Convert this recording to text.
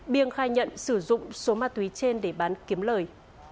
biêng khai nhận sử dụng số ma túy trên để bán kiếm lời